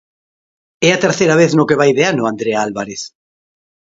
É a terceira vez no que vai de ano, Andrea Álvarez.